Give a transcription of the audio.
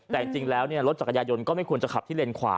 แต่จริงแล้วรถจักรยายนก็ไม่ควรจะขับที่เลนขวา